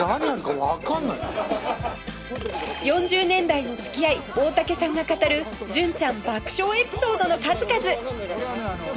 ４０年来の付き合い大竹さんが語る純ちゃん爆笑エピソードの数々